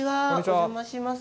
お邪魔します。